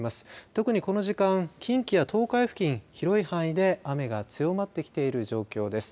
特に、この時間、近畿や東海付近広い範囲で雨が強まってきている状況です。